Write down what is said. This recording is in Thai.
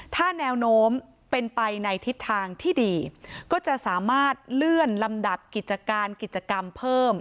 ถ้าแนวโน้มเป็นไปในทิศทางที่ดีก็จะสามารถเลื่อนลำดับกิจการกิจกรรมเพิ่ม